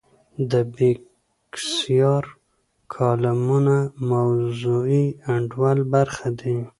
د بېکسیار کالمونه موضوعي انډول برخه دي.